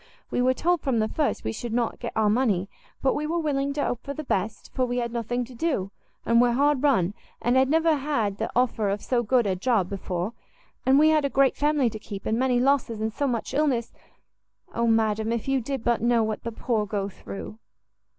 We were told from the first we should not get our money; but we were willing to hope for the best, for we had nothing to do, and were hard run, and had never had the offer of so good a job before; and we had a great family to keep, and many losses, and so much illness! Oh madam! if you did but know what the poor go through!"